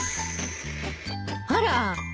あら。